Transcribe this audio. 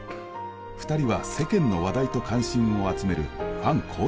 ２人は世間の話題と関心を集めるファン公認の仲。